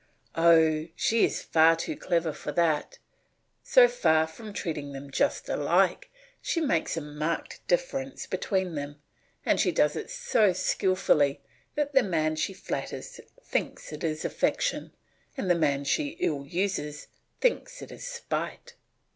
Oh, she is far too clever for that; so far from treating them just alike, she makes a marked difference between them, and she does it so skilfully that the man she flatters thinks it is affection, and the man she ill uses think it is spite.